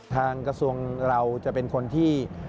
ทางกระทรวงเราจะเป็นคนที่